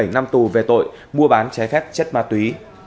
một mươi bảy năm tù về tội mua bán trái phép chất ma túy